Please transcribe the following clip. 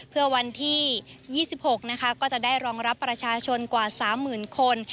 เพื่อวันที่๒๖นะคะก็จะได้รองรับประชาชนกว่า๓๐๐๐คน